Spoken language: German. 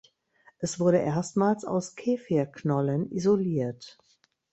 Es wurde erstmals aus Kefir Knollen isoliert.